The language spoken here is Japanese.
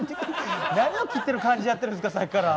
何を切ってる感じでやってるんですかさっきから。